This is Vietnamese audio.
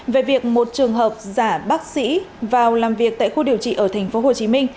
về việc một trường hợp giả bác sĩ vào làm việc tại khu điều trị ở tp hcm